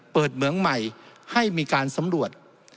เหมืองใหม่ให้มีการสำรวจ